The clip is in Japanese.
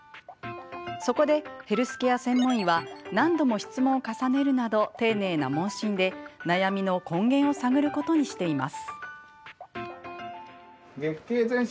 そこでヘルスケア専門医は何度も質問を重ねるなど丁寧な問診で悩みの根源を探ることにしています。